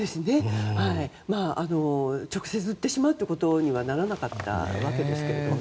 直接売ってしまうことにはならなかったわけですけどね。